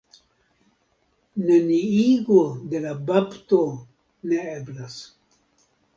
Neniigo de la bapto ne eblas.